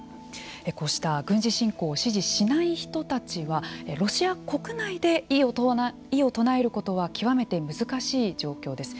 こうした軍事侵攻を支持しない人たちはロシア国内で異を唱えることは極めて難しい状況です。